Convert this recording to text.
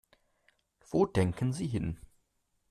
Wo denken Sie hin?